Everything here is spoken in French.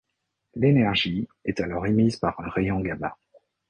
L'énergie est alors émise par un rayon gamma.